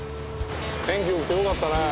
天気よくてよかったね。